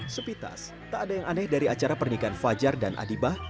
sepitas tak ada yang aneh dari acara pernikahan fajar dan adibah